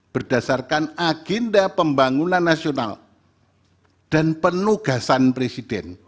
berdasarkan agenda pembangunan nasional dan penugasan presiden